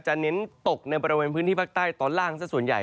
เน้นตกในบริเวณพื้นที่ภาคใต้ตอนล่างสักส่วนใหญ่